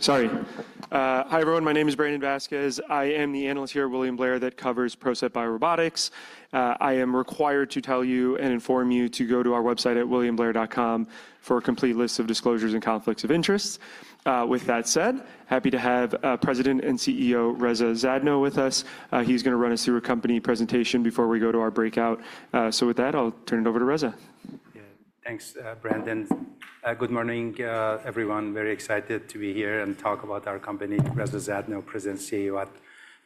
Ooh, sorry. Hi, everyone. My name is Brandon Vasquez. I am the analyst here at William Blair that covers PROCEPT BioRobotics. I am required to tell you and inform you to go to our website at williamblair.com for a complete list of disclosures and conflicts of interest. With that said, happy to have President and CEO Reza Zadno with us. He's going to run us through a company presentation before we go to our breakout. With that, I'll turn it over to Reza. Yeah, thanks, Brandon. Good morning, everyone. Very excited to be here and talk about our company. Reza Zadno, President and CEO at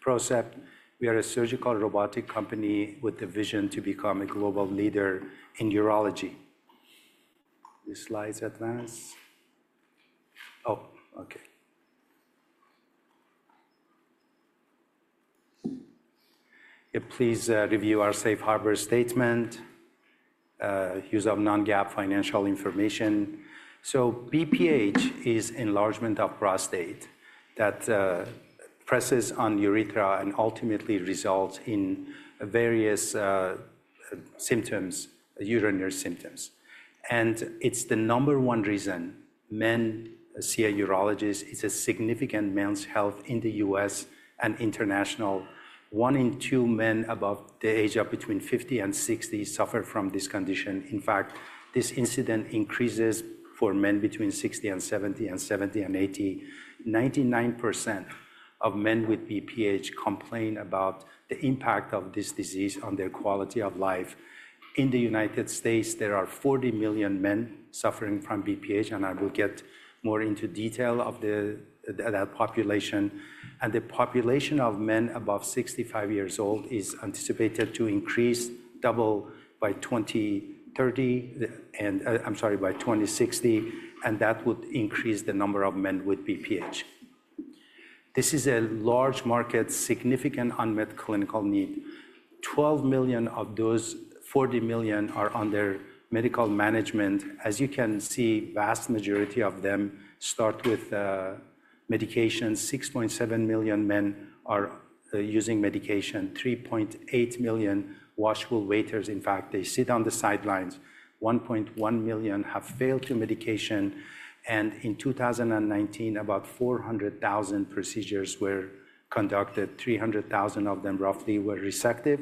PROCEPT. We are a surgical robotic company with the vision to become a global leader in urology. This slide's advanced. Oh, OK. Yeah, please review our safe harbor statement, use of non-GAAP financial information. BPH is enlargement of prostate that presses on urethra and ultimately results in various symptoms, urinary symptoms. It's the number one reason men see a urologist. It's a significant men's health issue in the U.S. and international. One in two men above the age of between 50 and 60 suffer from this condition. In fact, this incident increases for men between 60 and 70 and 70 and 80. 99% of men with BPH complain about the impact of this disease on their quality of life. In the United States, there are 40 million men suffering from BPH, and I will get more into detail of that population. The population of men above 65 years old is anticipated to increase double by 2030, I'm sorry, by 2060. That would increase the number of men with BPH. This is a large market, significant unmet clinical need. Twelve million of those 40 million are under medical management. As you can see, the vast majority of them start with medication. 6.7 million men are using medication. 3.8 million washable waiters, in fact, they sit on the sidelines. 1.1 million have failed to medication. In 2019, about 400,000 procedures were conducted. 300,000 of them, roughly, were resective,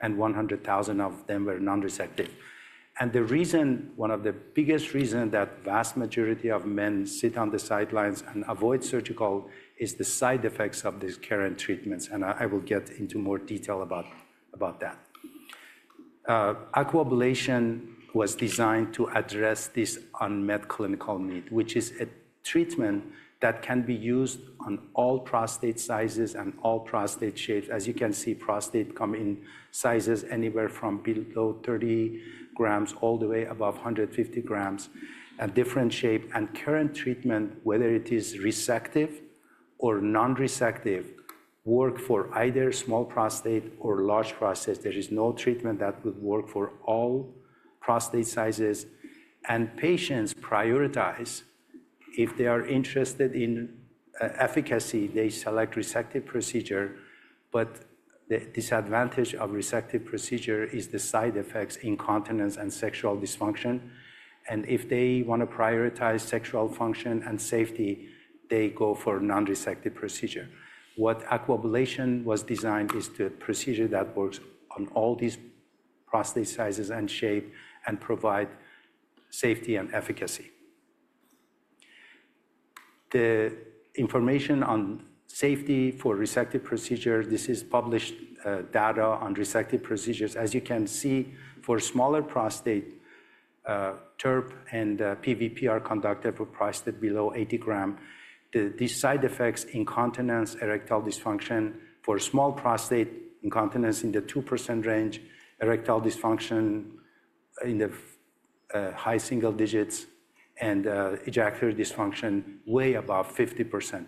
and 100,000 of them were non-resective. The reason, one of the biggest reasons that the vast majority of men sit on the sidelines and avoid surgical is the side effects of these current treatments. I will get into more detail about that. Aquablation was designed to address this unmet clinical need, which is a treatment that can be used on all prostate sizes and all prostate shapes. As you can see, prostate comes in sizes anywhere from below 30 g all the way above 150 g and different shapes. Current treatment, whether it is resective or non-resective, works for either small prostate or large prostate. There is no treatment that would work for all prostate sizes. Patients prioritize if they are interested in efficacy. They select a resective procedure. The disadvantage of a resective procedure is the side effects, incontinence, and sexual dysfunction. If they want to prioritize sexual function and safety, they go for a non-resective procedure. What Aquablation was designed is to be a procedure that works on all these prostate sizes and shapes and provides safety and efficacy. The information on safety for resective procedures, this is published data on resective procedures. As you can see, for smaller prostate, TURP and PVP are conducted for prostate below 80 g. These side effects, incontinence, erectile dysfunction. For small prostate, incontinence in the 2% range, erectile dysfunction in the high single digits, and ejaculatory dysfunction way above 50%.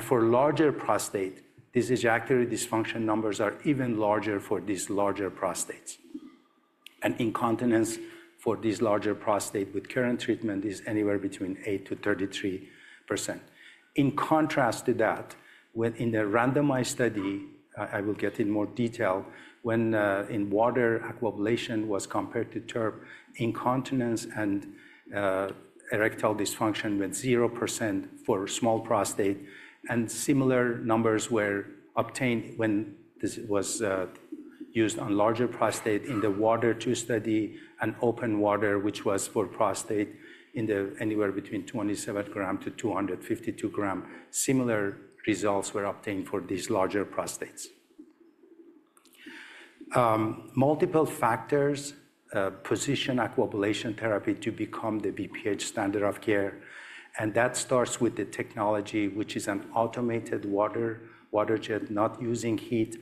For larger prostate, these ejaculatory dysfunction numbers are even larger for these larger prostates. Incontinence for these larger prostates with current treatment is anywhere between 8%-33%. In contrast to that, in the randomized study, I will get in more detail, when in WATER, Aquablation was compared to TURP, incontinence and erectile dysfunction were 0% for small prostate. Similar numbers were obtained when this was used on larger prostate. In the WATER II study, and open WATER, which was for prostate anywhere between 27 g-252 g, similar results were obtained for these larger prostates. Multiple factors position Aquablation therapy to become the BPH standard of care. That starts with the technology, which is an automated water jet, not using heat.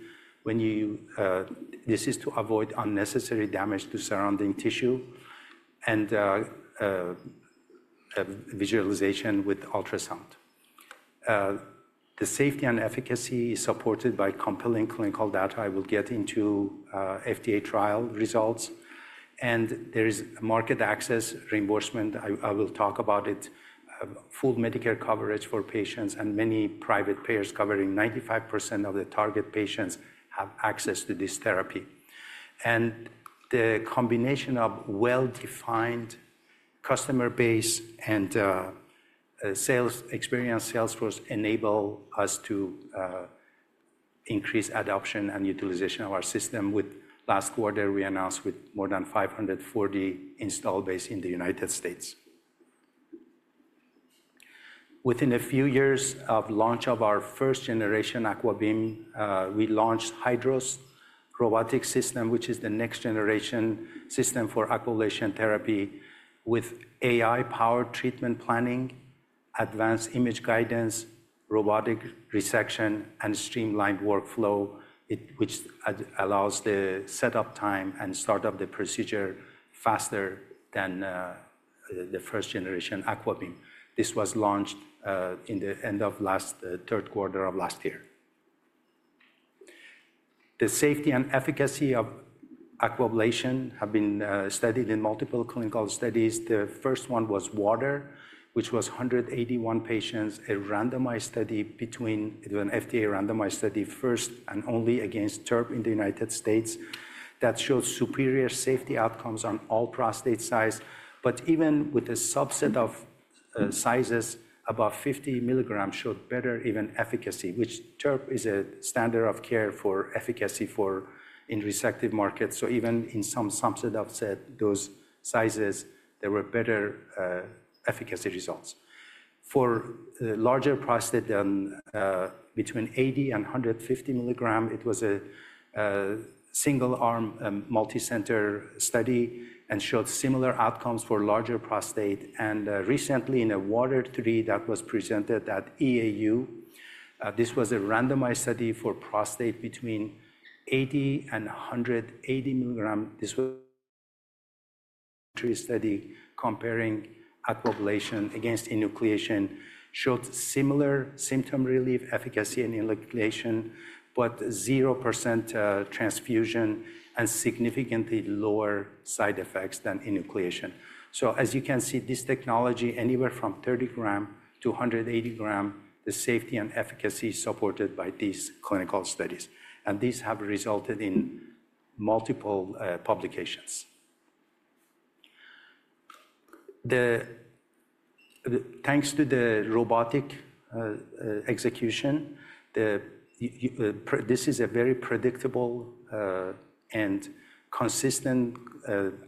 This is to avoid unnecessary damage to surrounding tissue and visualization with ultrasound. The safety and efficacy is supported by compelling clinical data. I will get into FDA trial results. There is market access reimbursement. I will talk about it. Full Medicare coverage for patients and many private payers covering 95% of the target patients have access to this therapy. The combination of well-defined customer base and experienced salesforce enables us to increase adoption and utilization of our system. Last quarter, we announced more than 540 installed bases in the United States. Within a few years of launch of our first-generation AquaBeam, we launched HYDROS Robotic System, which is the next-generation system for Aquablation therapy with AI-powered treatment planning, advanced image guidance, robotic resection, and a streamlined workflow, which allows the setup time and start of the procedure faster than the first-generation AquaBeam. This was launched at the end of last third quarter of last year. The safety and efficacy of Aquablation have been studied in multiple clinical studies. The first one was WATER, which was 181 patients, a randomized study between an FDA randomized study first and only against TURP in the U.S. That showed superior safety outcomes on all prostate sizes. Even with a subset of sizes above 50 g, it showed better even efficacy, which TURP is a standard of care for efficacy in the resective market. Even in some subset of those sizes, there were better efficacy results. For larger prostate, between 80 and 150 g, it was a single-arm, multicenter study and showed similar outcomes for larger prostate. Recently, in a WATER III that was presented at EAU, this was a randomized study for prostate between 80 G and 180 g. This was a study comparing Aquablation against enucleation. It showed similar symptom relief, efficacy in enucleation, but 0% transfusion and significantly lower side effects than enucleation. As you can see, this technology, anywhere from 30 g to 180 g, the safety and efficacy supported by these clinical studies. These have resulted in multiple publications. Thanks to the robotic execution, this is a very predictable and consistent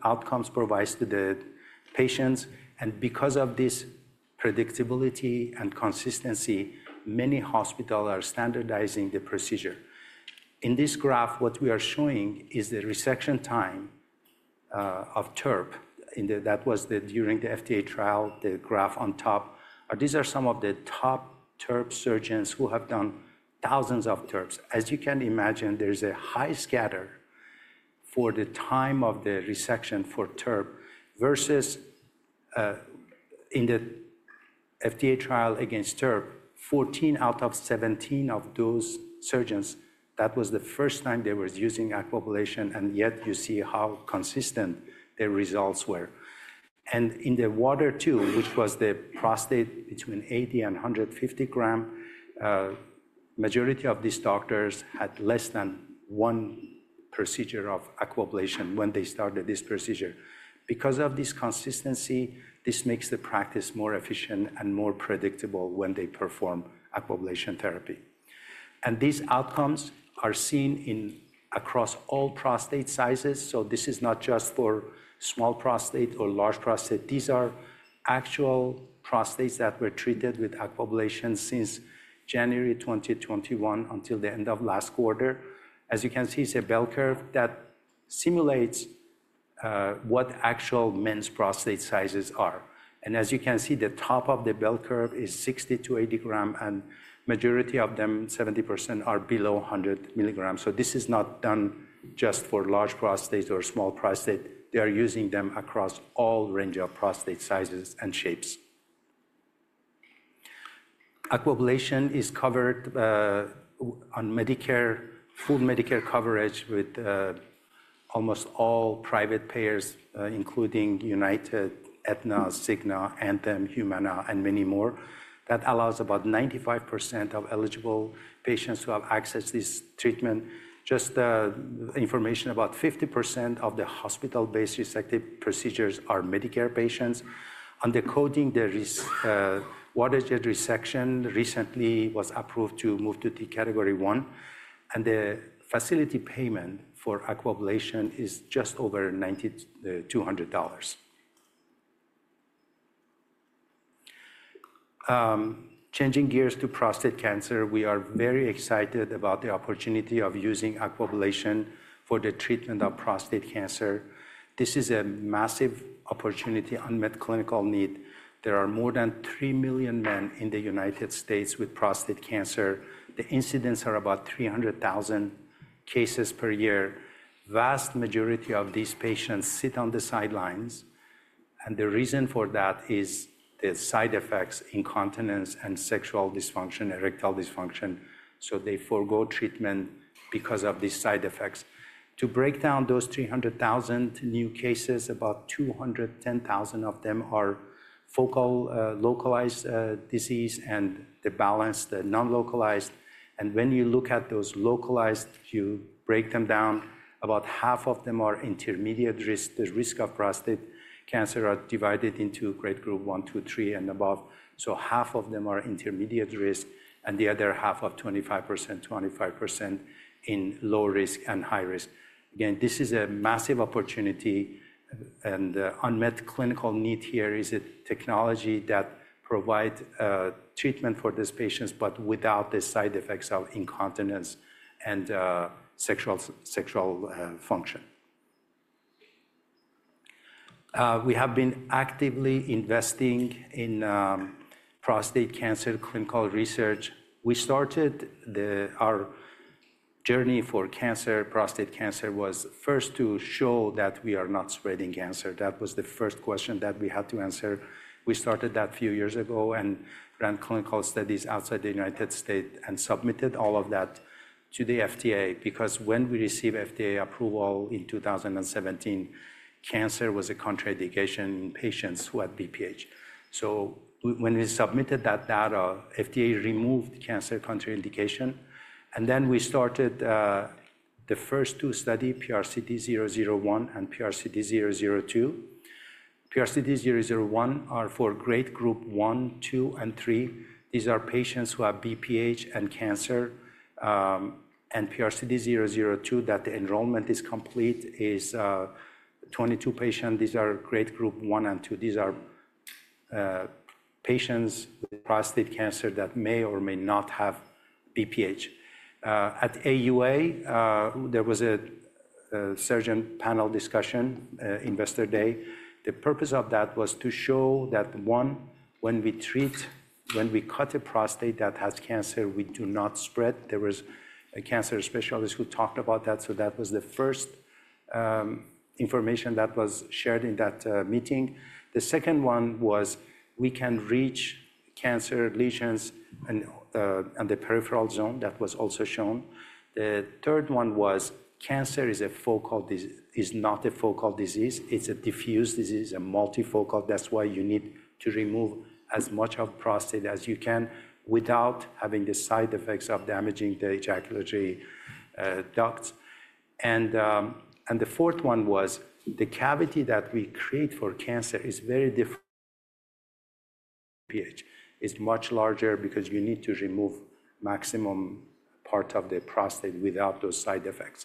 outcome it provides to the patients. Because of this predictability and consistency, many hospitals are standardizing the procedure. In this graph, what we are showing is the resection time of TURP. That was during the FDA trial, the graph on top. These are some of the top TURP surgeons who have done thousands of TURPs. As you can imagine, there is a high scatter for the time of the resection for TURP versus in the FDA trial against TURP, 14 out of 17 of those surgeons. That was the first time they were using Aquablation. Yet, you see how consistent their results were. In the WATER II, which was the prostate between 80 g and 150 g, the majority of these doctors had less than one procedure of Aquablation when they started this procedure. Because of this consistency, this makes the practice more efficient and more predictable when they perform Aquablation therapy. These outcomes are seen across all prostate sizes. This is not just for small prostate or large prostate. These are actual prostates that were treated with Aquablation since January 2021 until the end of last quarter. As you can see, it is a bell curve that simulates what actual men's prostate sizes are. As you can see, the top of the bell curve is 60 g-80 g, and the majority of them, 70%, are below 100 g. This is not done just for large prostates or small prostates. They are using them across all ranges of prostate sizes and shapes. Aquablation is covered on Medicare, full Medicare coverage with almost all private payers, including United, Aetna, Cigna, Anthem, Humana, and many more. That allows about 95% of eligible patients to have access to this treatment. Just information, about 50% of the hospital-based resective procedures are Medicare patients. On the coding, the water jet resection recently was approved to move to category one. And the facility payment for Aquablation is just over $200. Changing gears to prostate cancer, we are very excited about the opportunity of using Aquablation for the treatment of prostate cancer. This is a massive opportunity, unmet clinical need. There are more than 3 million men in the United States with prostate cancer. The incidence is about 300,000 cases per year. The vast majority of these patients sit on the sidelines. The reason for that is the side effects, incontinence, and sexual dysfunction, erectile dysfunction. They forgo treatment because of these side effects. To break down those 300,000 new cases, about 210,000 of them are focal localized disease, and the balance, the non-localized. When you look at those localized, you break them down, about half of them are intermediate risk. The risk of prostate cancer is divided into grade group one, two, three, and above. Half of them are intermediate risk, and the other half of 25%, 25% in low risk and high risk. This is a massive opportunity. The unmet clinical need here is a technology that provides treatment for these patients, but without the side effects of incontinence and sexual function. We have been actively investing in prostate cancer clinical research. We started our journey for cancer, prostate cancer, first to show that we are not spreading cancer. That was the first question that we had to answer. We started that a few years ago and ran clinical studies outside the U.S. and submitted all of that to the FDA. Because when we received FDA approval in 2017, cancer was a contraindication in patients who had BPH. When we submitted that data, the FDA removed cancer contraindication. We started the first two studies, PRCD-001 and PRCD-002. PRCD-001 are for grade group one, two, and three. These are patients who have BPH and cancer. PRCD-002, that the enrollment is complete, is 22 patients. These are grade group one and two. These are patients with prostate cancer that may or may not have BPH. At AUA, there was a surgeon panel discussion on Investor Day. The purpose of that was to show that, one, when we treat, when we cut a prostate that has cancer, we do not spread. There were cancer specialists who talked about that. That was the first information that was shared in that meeting. The second one was we can reach cancer lesions in the peripheral zone. That was also shown. The third one was cancer is a focal disease. It is not a focal disease. It is a diffuse disease, a multifocal. That is why you need to remove as much of the prostate as you can without having the side effects of damaging the ejaculatory ducts. The fourth one was the cavity that we create for cancer is very different. It is much larger because you need to remove the maximum part of the prostate without those side effects.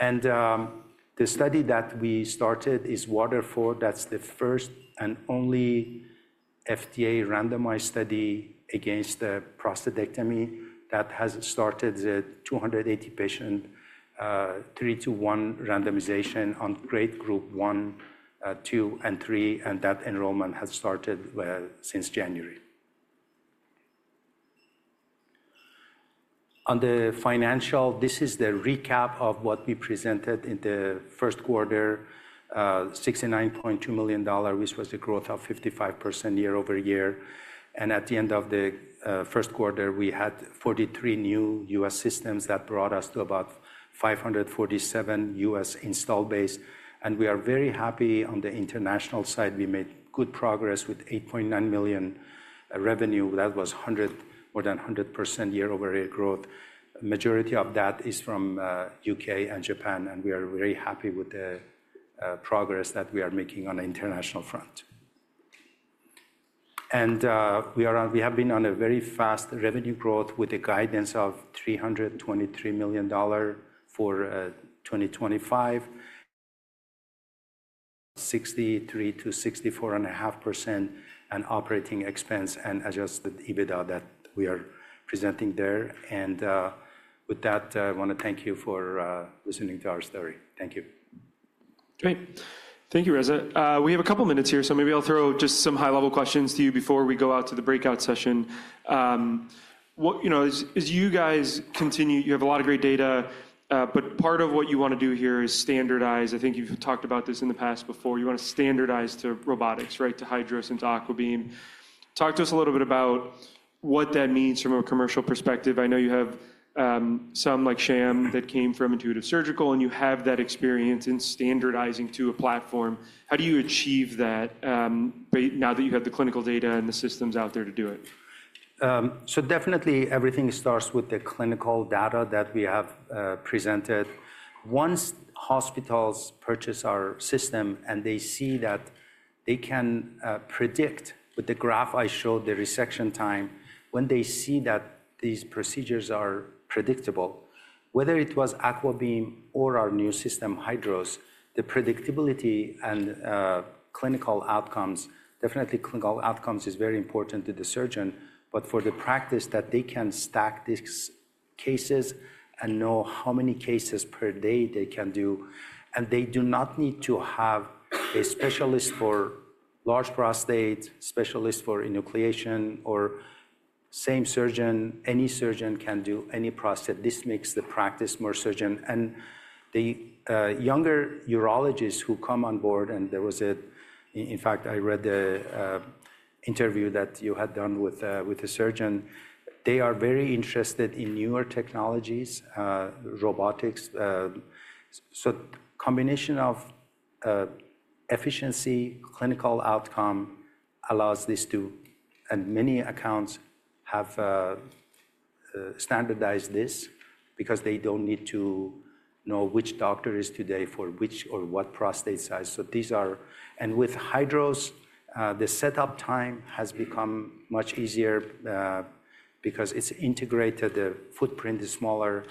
The study that we started is WATER IV. That's the first and only FDA randomized study against the prostatectomy that has started the 280 patients, three to one randomization on grade group one, two, and three. That enrollment has started since January. On the financial, this is the recap of what we presented in the first quarter, $69.2 million, which was a growth of 55% year over year. At the end of the first quarter, we had 43 new U.S. systems that brought us to about 547 U.S. installed bases. We are very happy on the international side. We made good progress with $8.9 million revenue. That was more than 100% year over year growth. The majority of that is from the U.K. and Japan. We are very happy with the progress that we are making on the international front. We have been on a very fast revenue growth with the guidance of $323 million for 2025, 63%-64.5% in operating expense and adjusted EBITDA that we are presenting there. With that, I want to thank you for listening to our story. Thank you. Great. Thank you, Reza. We have a couple of minutes here, so maybe I'll throw just some high-level questions to you before we go out to the breakout session. As you guys continue, you have a lot of great data, but part of what you want to do here is standardize. I think you've talked about this in the past before. You want to standardize to robotics, right, to HYDROS and to AquaBeam. Talk to us a little bit about what that means from a commercial perspective. I know you have some, like Sham, that came from Intuitive Surgical, and you have that experience in standardizing to a platform. How do you achieve that now that you have the clinical data and the systems out there to do it? Definitely, everything starts with the clinical data that we have presented. Once hospitals purchase our system and they see that they can predict with the graph I showed, the resection time, when they see that these procedures are predictable, whether it was AquaBeam or our new system, HYDROS, the predictability and clinical outcomes, definitely clinical outcomes are very important to the surgeon. For the practice that they can stack these cases and know how many cases per day they can do, and they do not need to have a specialist for large prostate, a specialist for enucleation, or the same surgeon, any surgeon can do any prostate. This makes the practice more surgeon. And the younger urologists who come on board, and there was a, in fact, I read the interview that you had done with a surgeon, they are very interested in newer technologies, robotics. The combination of efficiency, clinical outcome allows this to, and many accounts have standardized this because they do not need to know which doctor is today for which or what prostate size. These are, and with HYDROS, the setup time has become much easier because it is integrated. The footprint is smaller.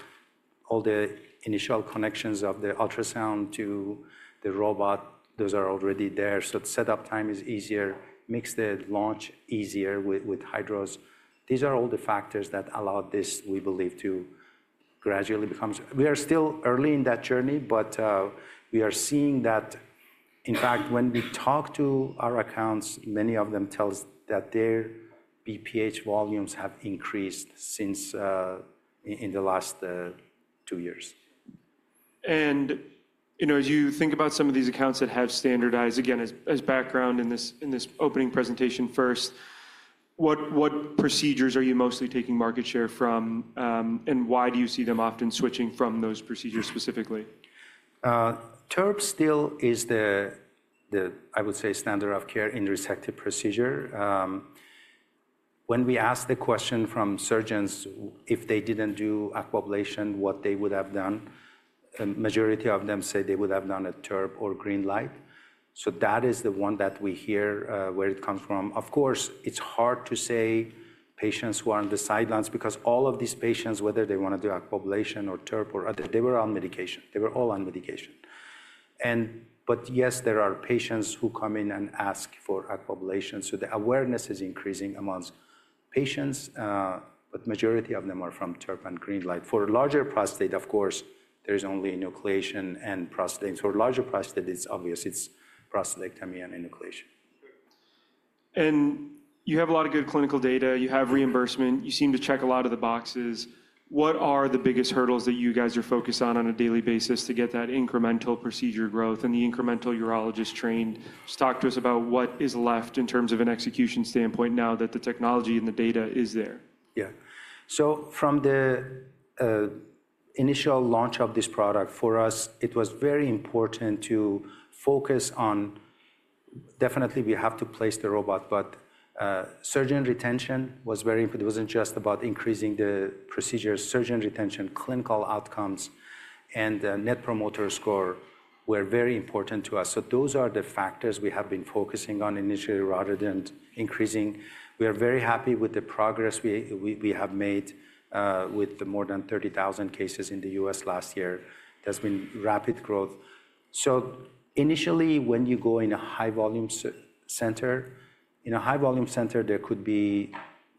All the initial connections of the ultrasound to the robot, those are already there. The setup time is easier, makes the launch easier with HYDROS. These are all the factors that allow this, we believe, to gradually become, we are still early in that journey, but we are seeing that, in fact, when we talk to our accounts, many of them tell us that their BPH volumes have increased in the last two years. As you think about some of these accounts that have standardized, again, as background in this opening presentation first, what procedures are you mostly taking market share from, and why do you see them often switching from those procedures specifically? TURP still is the, I would say, standard of care in resective procedure. When we ask the question from surgeons if they did not do Aquablation, what they would have done, the majority of them say they would have done a TURP or GreenLight. That is the one that we hear where it comes from. Of course, it is hard to say patients who are on the sidelines because all of these patients, whether they want to do Aquablation or TURP or other, they were on medication. They were all on medication. Yes, there are patients who come in and ask for Aquablation. The awareness is increasing amongst patients, but the majority of them are from TURP and GreenLight. For a larger prostate, of course, there is only enucleation and prostatectomy. For a larger prostate, it is obvious. It is prostatectomy and enucleation. You have a lot of good clinical data. You have reimbursement. You seem to check a lot of the boxes. What are the biggest hurdles that you guys are focused on on a daily basis to get that incremental procedure growth and the incremental urologists trained? Just talk to us about what is left in terms of an execution standpoint now that the technology and the data is there. Yeah. From the initial launch of this product, for us, it was very important to focus on, definitely, we have to place the robot, but surgeon retention was very important. It was not just about increasing the procedures. Surgeon retention, clinical outcomes, and net promoter score were very important to us. Those are the factors we have been focusing on initially rather than increasing. We are very happy with the progress we have made with the more than 30,000 cases in the U.S. last year. There has been rapid growth. Initially, when you go in a high-volume center, in a high-volume center, there could be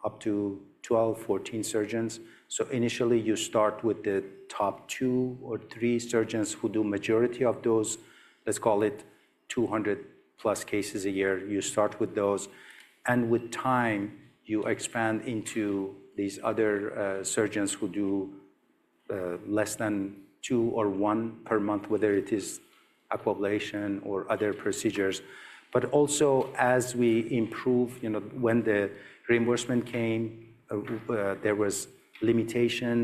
up to 12 surgeons-14 surgeons. Initially, you start with the top two or three surgeons who do the majority of those. Let's call it 200+ cases a year. You start with those. With time, you expand into these other surgeons who do less than two or one per month, whether it is Aquablation or other procedures. Also, as we improve, when the reimbursement came, there was limitation.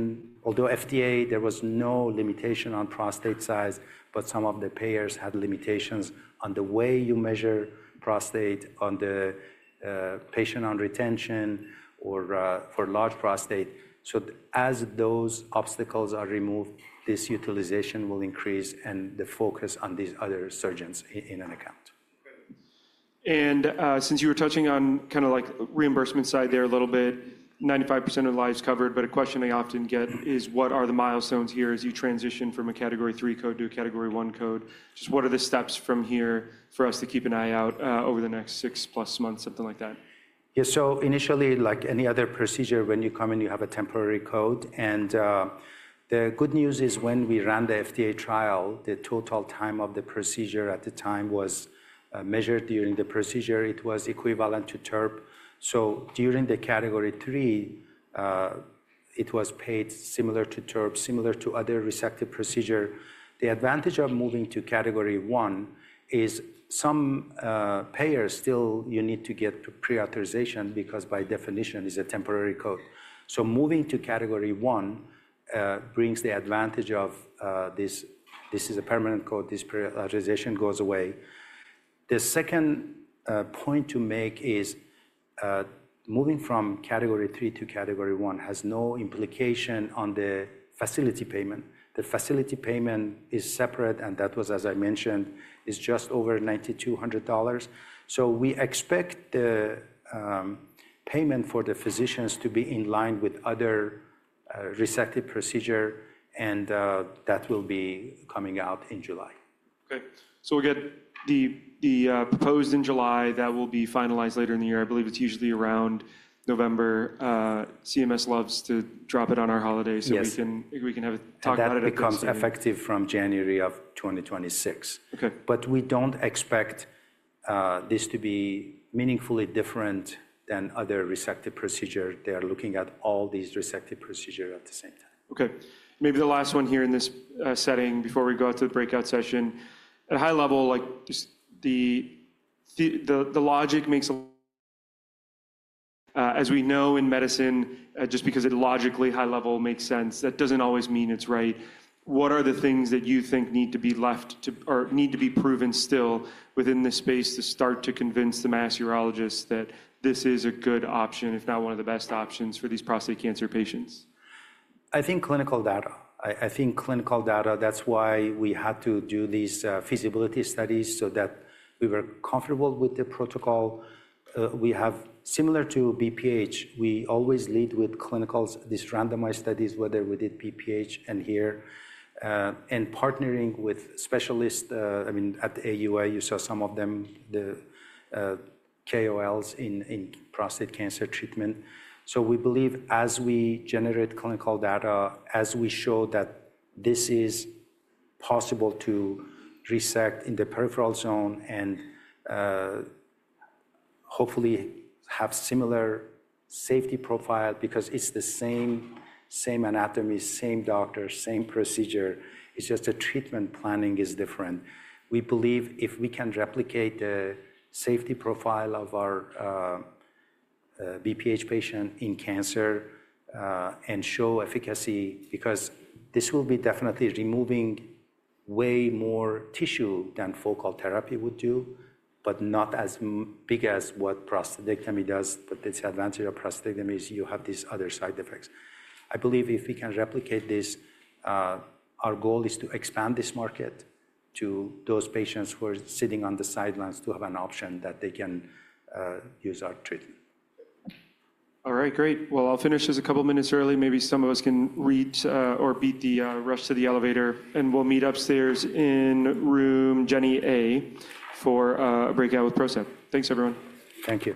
Although FDA, there was no limitation on prostate size, some of the payers had limitations on the way you measure prostate on the patient on retention or for large prostate. As those obstacles are removed, this utilization will increase and the focus on these other surgeons in an account. Since you were touching on kind of like the reimbursement side there a little bit, 95% of lives covered, but a question I often get is, what are the milestones here as you transition from a category three code to a category one code? Just what are the steps from here for us to keep an eye out over the next six-plus months, something like that? Yeah. Initially, like any other procedure, when you come in, you have a temporary code. The good news is when we ran the FDA trial, the total time of the procedure at the time was measured during the procedure. It was equivalent to TURP. During the category three, it was paid similar to TURP, similar to other resective procedures. The advantage of moving to category one is some payers still, you need to get pre-authorization because by definition, it's a temporary code. Moving to category one brings the advantage of this is a permanent code. This pre-authorization goes away. The second point to make is moving from category three to category one has no implication on the facility payment. The facility payment is separate, and that was, as I mentioned, it's just over $9,200. We expect the payment for the physicians to be in line with other resective procedures, and that will be coming out in July. Okay. We get the proposed in July. That will be finalized later in the year. I believe it's usually around November. CMS loves to drop it on our holiday, so we can have a talk about it at the beginning. That becomes effective from January of 2026. We do not expect this to be meaningfully different than other resective procedures. They are looking at all these resective procedures at the same time. Okay. Maybe the last one here in this setting before we go to the breakout session. At a high level, the logic makes a lot of sense. As we know in medicine, just because it logically high level makes sense, that does not always mean it is right. What are the things that you think need to be left to or need to be proven still within this space to start to convince the mass urologists that this is a good option, if not one of the best options for these prostate cancer patients? I think clinical data. I think clinical data. That is why we had to do these feasibility studies so that we were comfortable with the protocol. We have, similar to BPH, we always lead with clinicals, these randomized studies, whether we did BPH and here, and partnering with specialists. I mean, at AUA, you saw some of them, the KOLs in prostate cancer treatment. We believe as we generate clinical data, as we show that this is possible to resect in the peripheral zone and hopefully have a similar safety profile because it is the same anatomy, same doctor, same procedure. It is just the treatment planning is different. We believe if we can replicate the safety profile of our BPH patient in cancer and show efficacy because this will be definitely removing way more tissue than focal therapy would do, but not as big as what prostatectomy does. The advantage of prostatectomy is you have these other side effects. I believe if we can replicate this, our goal is to expand this market to those patients who are sitting on the sidelines to have an option that they can use our treatment. All right. Great. I'll finish this a couple of minutes early. Maybe some of us can reach or beat the rush to the elevator. We'll meet upstairs in room Jenny A for a breakout with PROCEPT. Thanks, everyone. Thank you.